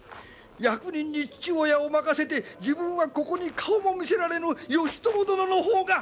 役人に父親を任せて自分はここに顔も見せられぬ義朝殿の方がまだましじゃ。